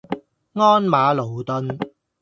鞍馬勞頓